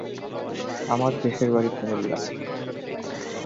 আমার দেশের বাড়ি কুমিল্লায়।